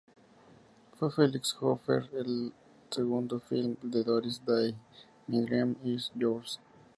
Fue Felix Hofer en el segundo film de Doris Day, "My Dream Is Yours".